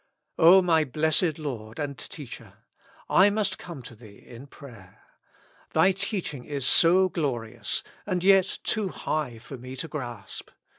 O my Blessed Lord and Teacher ! I must come to Thee in prayer. Thy teaching is so glorious, and yet too high for me to grasp.